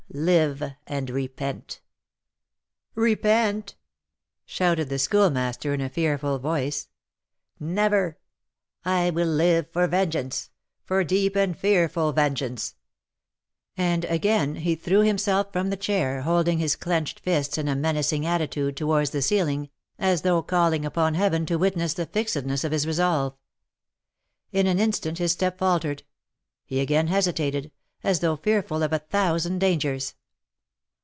Live and repent." "Repent!" shouted the Schoolmaster, in a fearful voice. "Never! I will live for vengeance, for deep and fearful vengeance!" And again he threw himself from the chair, holding his clenched fists in a menacing attitude towards the ceiling, as though calling upon Heaven to witness the fixedness of his resolve. In an instant his step faltered; he again hesitated, as though fearful of a thousand dangers.